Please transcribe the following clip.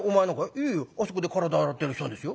「いやいやあそこで体洗ってる人のですよ」。